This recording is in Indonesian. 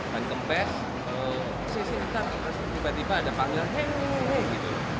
nah kemudian bahan kempes tiba tiba ada panggil heee heee gitu